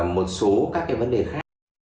một số các cái vấn đề khác